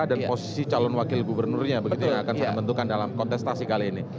dan posisi calon wakil gubernurnya begitu yang akan saya tentukan dalam kontestasi kali ini